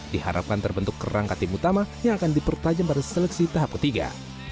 diharapkan terbentuk kerangka tim utama yang akan dipertajam pada seleksi tahap ketiga